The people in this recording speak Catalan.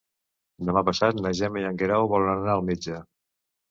Demà passat na Gemma i en Guerau volen anar al metge.